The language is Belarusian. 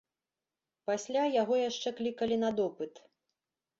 Пасля яго яшчэ клікалі на допыт.